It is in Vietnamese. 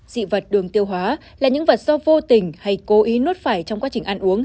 dị vật đường tiêu hóa là những vật do vô tình hay cố ý nuốt phải trong quá trình ăn uống